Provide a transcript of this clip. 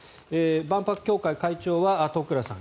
万博協会会長は十倉さん